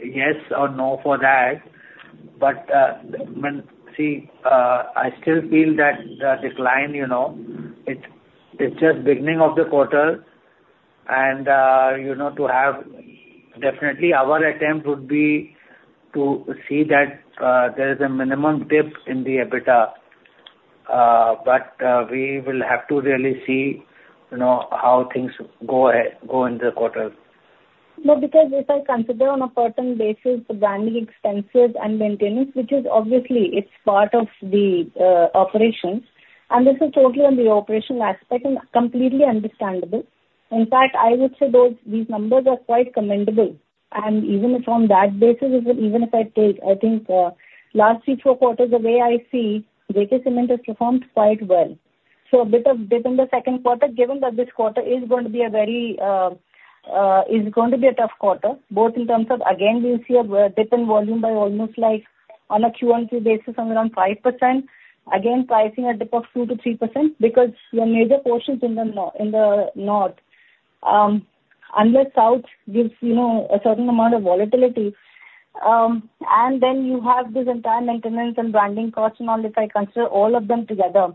yes or no for that. But see, I still feel that the decline, it's just beginning of the quarter. And to have definitely our attempt would be to see that there is a minimum dip in the EBITDA. But we will have to really see how things go in the quarter. No, because if I consider on a per ton basis, the branding expenses and maintenance, which is obviously it's part of the operations, and this is totally on the operational aspect, completely understandable. In fact, I would say these numbers are quite commendable. And even if on that basis, even if I take, I think last few four quarters away, I see JK Cement has performed quite well. So a bit of dip in the second quarter, given that this quarter is going to be a very is going to be a tough quarter, both in terms of again, we'll see a dip in volume by almost like on a Q1, Q basis of around 5%. Again, pricing a dip of 2%-3% because the major portions in the north, unless south gives a certain amount of volatility. And then you have this entire maintenance and branding cost and all, if I consider all of them together,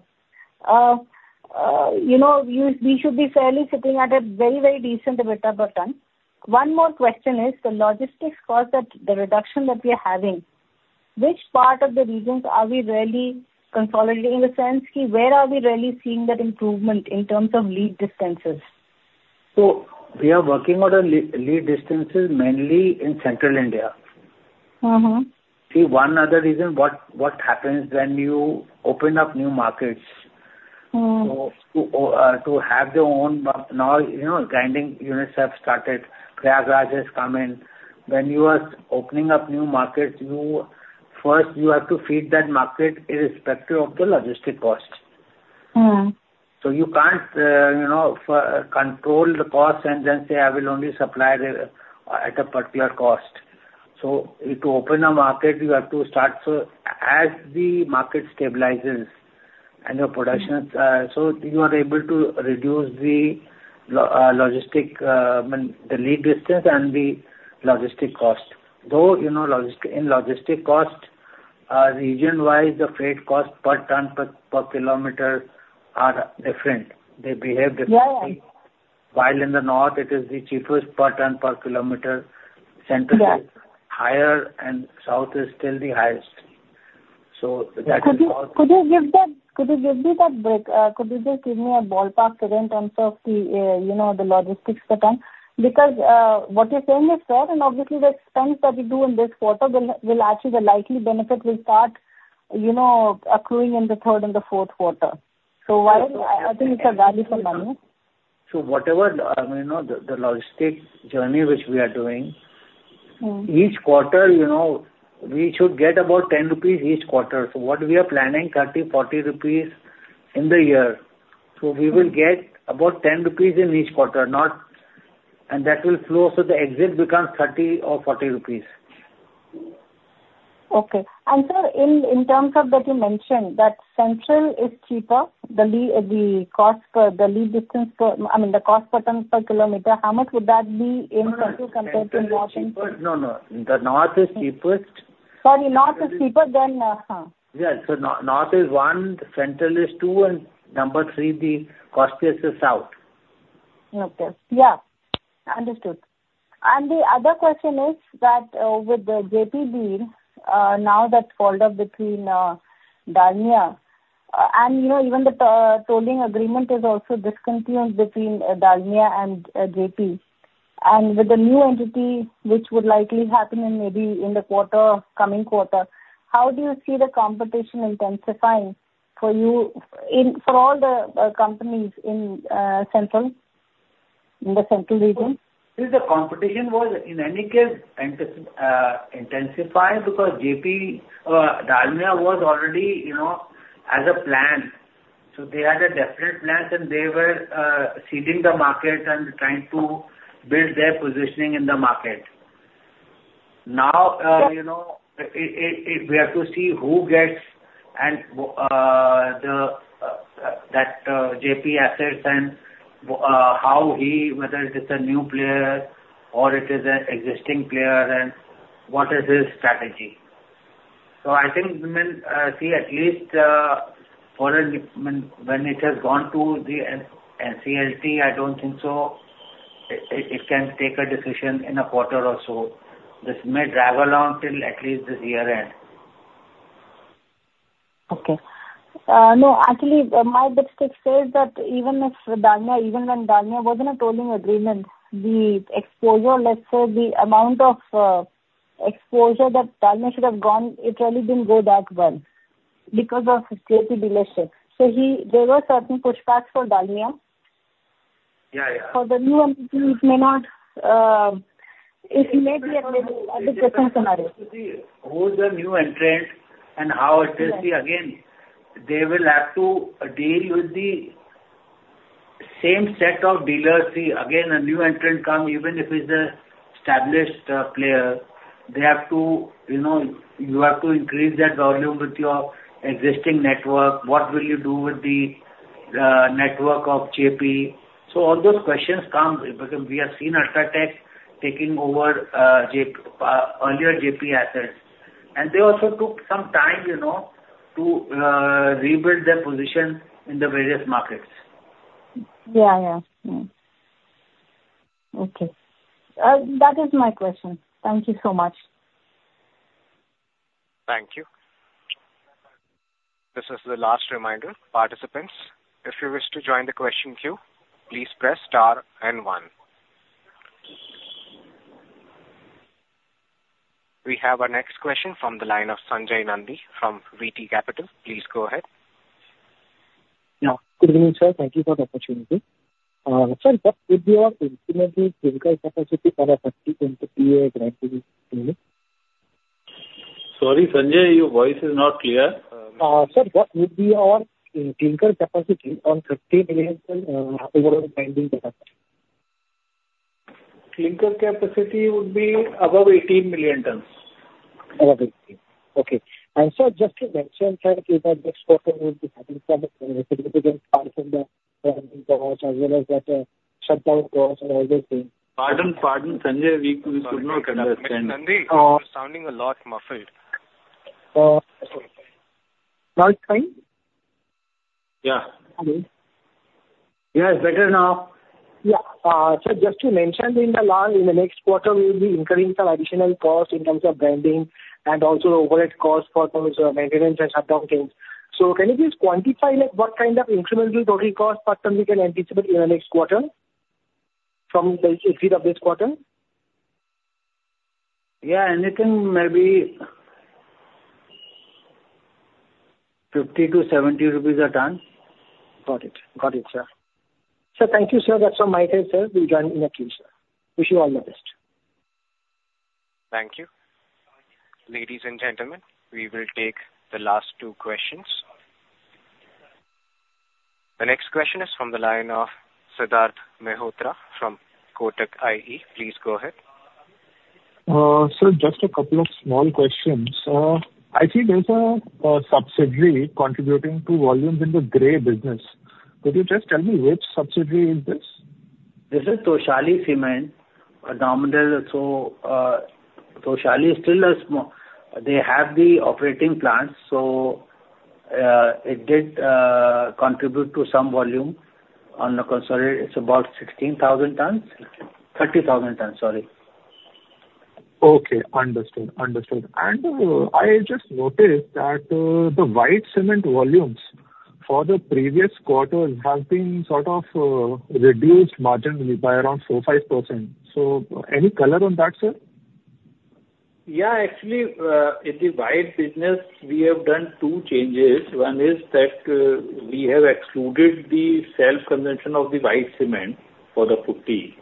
we should be fairly sitting at a very, very decent EBITDA per ton. One more question is the logistics cost, the reduction that we are having. Which part of the regions are we really consolidating in the sense where are we really seeing that improvement in terms of lead distances? So we are working on lead distances mainly in Central India. See, one other reason what happens when you open up new markets to have your own. Now grinding units have started, capacity rushes come in. When you are opening up new markets, first you have to feed that market irrespective of the logistics cost. So you can't control the cost and then say, "I will only supply at a particular cost." So to open a market, you have to start. So as the market stabilizes and your production, so you are able to reduce the logistics, the lead distance and the logistics cost. Though in logistics cost, region-wise, the freight cost per ton per kilometer are different. They behave differently. While in the North, it is the cheapest per ton per kilometer. Central is higher and South is still the highest. So that is cost. Could you give me that break? Could you just give me a ballpark figure in terms of the logistics per ton? Because what you're saying is fair, and obviously, the expense that we do in this quarter will actually, the likely benefit will start accruing in the third and the fourth quarter. So I think it's a value for money. Whatever the logistics journey which we are doing, each quarter, we should get about 10 rupees each quarter. What we are planning, 30 rupees, 40 rupees in the year. We will get about 10 rupees in each quarter, and that will flow so the exit becomes 30 or 40 rupees. Okay. And sir, in terms of that you mentioned that central is cheaper, the lead distance, I mean, the cost per ton per kilometer, how much would that be in compared to north and south? No, no. The north is cheapest. Sorry, North is cheaper than? Yeah. So North is one, Central is two, and number three, the cost is South. Okay. Yeah. Understood. The other question is that with the Jaypee deal, now that's folded between Dalmia, and even the tolling agreement is also discontinued between Dalmia and Jaypee, and with the new entity, which would likely happen in maybe in the quarter, coming quarter, how do you see the competition intensifying for you for all the companies in central, in the central region? See, the competition was in any case intensified because Jaypee, Dalmia was already has a plant. So they had a definite plant, and they were seeding the market and trying to build their positioning in the market. Now, we have to see who gets that Jaypee assets and how, whether it is a new player or it is an existing player, and what is his strategy. So I think, I mean, see, at least when it has gone to the NCLT, I don't think so it can take a decision in a quarter or so. This may drag along till at least this year end. Okay. No, actually, my big stick says that even if Dalmia, even when Dalmia was in a tolling agreement, the exposure, let's say the amount of exposure that Dalmia should have gone, it really didn't go that well because of Jaypee dealership. So there were certain pushbacks for Dalmia. Yeah, yeah. For the new entity, it may not, it may be a different scenario. Who's the new entrant and how it is? See, again, they will have to deal with the same set of dealers. See, again, a new entrant come, even if it's an established player, they have to, you have to increase that volume with your existing network. What will you do with the network of Jaypee? So all those questions come. We have seen UltraTech taking over earlier Jaypee assets. And they also took some time to rebuild their position in the various markets. Yeah, yeah. Okay. That is my question. Thank you so much. Thank you. This is the last reminder, participants. If you wish to join the question queue, please press star and one. We have our next question from the line of Sanjay Nandi from VT Capital. Please go ahead. Yeah. Good evening, sir. Thank you for the opportunity. Sir, what would be your estimated clinker capacity on a 30-48 grinding scale? Sorry, Sanjay, your voice is not clear. Sir, what would be your clinker capacity on 30 million tons overall grinding capacity? Clinker capacity would be above 18 million tons. Above 18. Okay. And sir, just to mention that the next quarter will be having some significant part of the grinding cost as well as that shutdown cost and all those things. Pardon, Sanjay, we could not understand. Sanjay, you're sounding a lot muffled. Now it's fine? Yeah. Yes. Better now? Yeah. Sir, just to mention in the next quarter, we will be incurring some additional cost in terms of branding and also overhead cost for maintenance and shutdown things. So can you please quantify what kind of incremental total cost per ton we can anticipate in the next quarter from the exit of this quarter? Yeah. Anything maybe 50-70 rupees a ton. Got it. Got it, sir. Sir, thank you, sir. That's all my side, sir. We'll join in a few, sir. Wish you all the best. Thank you. Ladies and gentlemen, we will take the last two questions. The next question is from the line of Siddharth Mehrotra from Kotak IE. Please go ahead. Sir, just a couple of small questions. I see there's a subsidiary contributing to volumes in the gray business. Could you just tell me which subsidiary is this? This is Toshali Cements, a nominal. So Toshali still has the operating plants, so it did contribute to some volume on the consolidated. It's about 16,000 tons. 30,000 tons, sorry. Okay. Understood. Understood. I just noticed that the white cement volumes for the previous quarter have been sort of reduced marginally by around 4%-5%. So any color on that, sir? Yeah. Actually, in the white business, we have done two changes. One is that we have excluded the self-consumption of the white cement for the putty.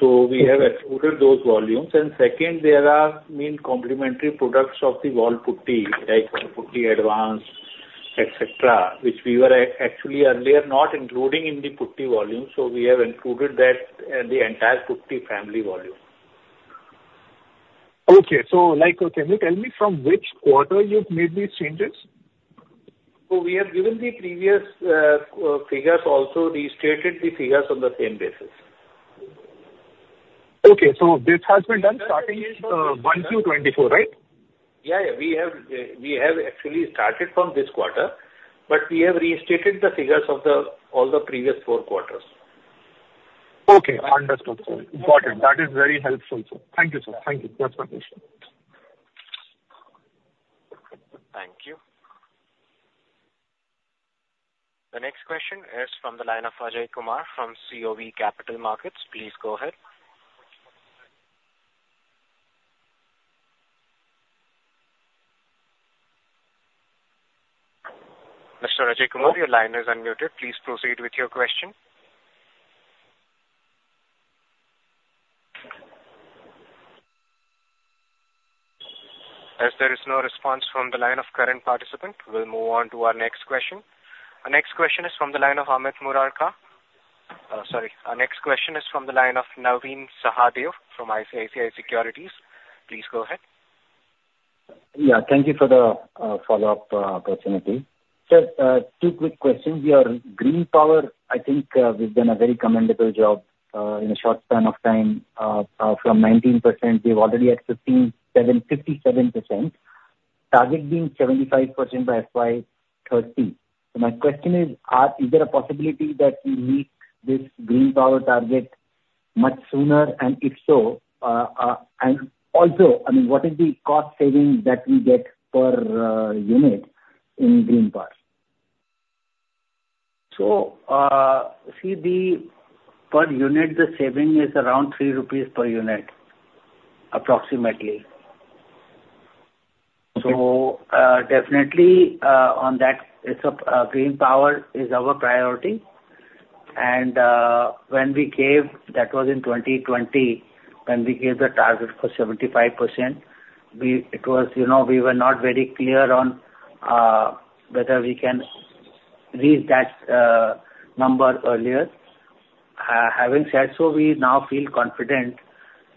So we have excluded those volumes. And second, there are many complementary products of the wall putty, like putty adhesive, etc., which we were actually earlier not including in the putty volume. So we have included the entire putty family volume. Okay. So can you tell me from which quarter you've made these changes? We have given the previous figures also, restated the figures on the same basis. Okay. So this has been done starting 1Q24, right? Yeah, yeah. We have actually started from this quarter, but we have restated the figures of all the previous four quarters. Okay. Understood. Got it. That is very helpful. Thank you, sir. Thank you. That's my question. Thank you. The next question is from the line of Ajay Kumar from COV Capital Markets. Please go ahead. Mr. Ajay Kumar, your line is unmuted. Please proceed with your question. As there is no response from the line of current participant, we'll move on to our next question. Our next question is from the line of Amit Murarka. Sorry. Our next question is from the line of Navin Sahadeo from ICICI Securities. Please go ahead. Yeah. Thank you for the follow-up opportunity. Sir, two quick questions. We are green power, I think we've done a very commendable job in a short span of time. From 19%, we've already exited 57%, target being 75% by FY 2030. So my question is, is there a possibility that we meet this green power target much sooner? And if so, and also, I mean, what is the cost saving that we get per unit in green power? So see, per unit, the saving is around 3 rupees per unit, approximately. So definitely on that, green Power is our priority. And when we gave, that was in 2020, when we gave the target for 75%, it was we were not very clear on whether we can reach that number earlier. Having said so, we now feel confident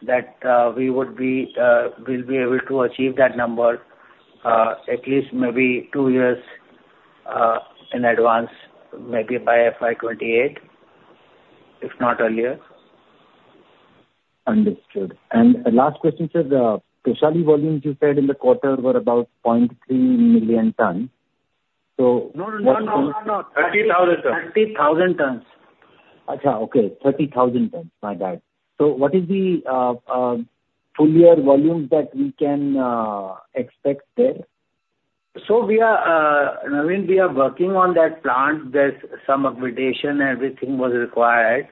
that we will be able to achieve that number at least maybe two years in advance, maybe by FY 2028, if not earlier. Understood. Last question, sir, the Toshali volumes you said in the quarter were about 0.3 million tons. So. No, no, no, no, no. 30,000 tons. 30,000 tons. Okay. 30,000 tons. My bad. So what is the full year volume that we can expect there? So Navin, we are working on that plant. There's some accommodation and everything was required.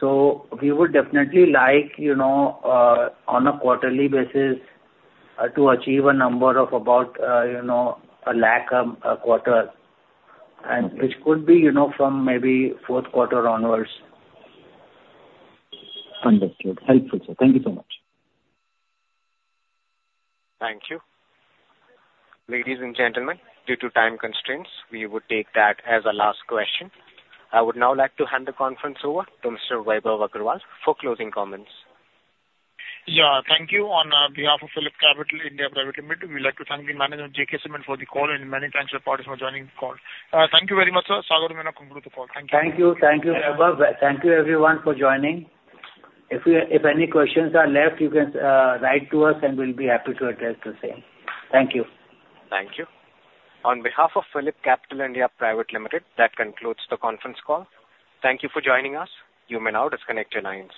So we would definitely like on a quarterly basis to achieve a number of about a lakh per quarter, which could be from maybe fourth quarter onwards. Understood. Helpful, sir. Thank you so much. Thank you. Ladies and gentlemen, due to time constraints, we would take that as a last question. I would now like to hand the conference over to Mr. Vaibhav Agarwal for closing comments. Yeah. Thank you. On behalf of PhillipCapital (India) Private Limited, we'd like to thank the management of JK Cement for the call and many thanks to the participants for joining the call. Thank you very much, sir. Sagar will now conclude the call. Thank you. Thank you. Thank you, Vaibhav. Thank you, everyone, for joining. If any questions are left, you can write to us, and we'll be happy to address the same. Thank you. Thank you. On behalf of PhillipCapital (India) Private Limited, that concludes the conference call. Thank you for joining us. You may now disconnect your lines.